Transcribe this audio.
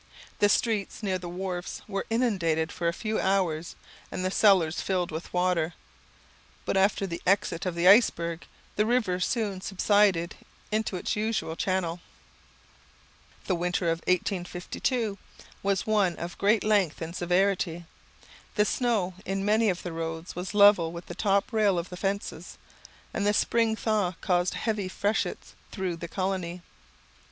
The streets near the wharfs were inundated for a few hours, and the cellars filled with water; but after the exit of the iceberg, the river soon subsided into its usual channel. The winter of 1852 was one of great length and severity. The snow in many of the roads was level with the top rail of the fences, and the spring thaw caused heavy freshets through the colony.